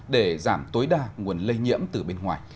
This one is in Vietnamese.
để giảm tối đa nguồn lây nhiễm từ bên ngoài